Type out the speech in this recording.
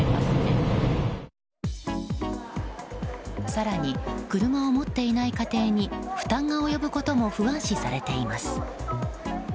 更に車を持っていない家庭に負担が及ぶことも不安視されています。